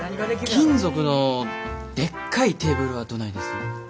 金属のでっかいテーブルはどないです？